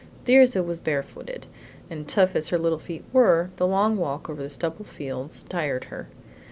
Thirza was barefooted, and tough as her little feet were, the long walk over the stubble fields tired her.